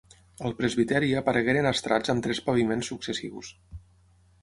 Al presbiteri aparegueren estrats amb tres paviments successius.